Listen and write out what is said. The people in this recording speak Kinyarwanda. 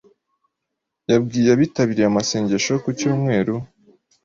yabwiye abitabiriye amasengesho yo ku cyumweru